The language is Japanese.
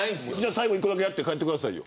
最後１個だけやって帰ってくださいよ。